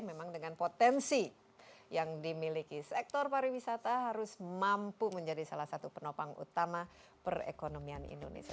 memang dengan potensi yang dimiliki sektor pariwisata harus mampu menjadi salah satu penopang utama perekonomian indonesia